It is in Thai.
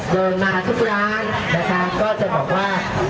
เริ่มมาทุกร้านก็จะบอกว่า